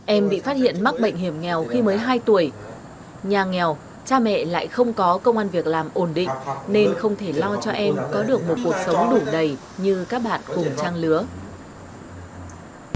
em bị phát hiện mắc bệnh hiểm nghèo khi mới hai tuổi nhà nghèo cha mẹ lại không có công an việc làm ổn định nên không thể lo cho em có được một cuộc sống đủ đầy như các bạn cùng trang lứa